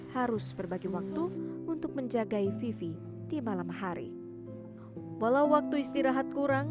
harus berbagi waktu untuk menjaga vivi di malam hari walau waktu istirahat kurang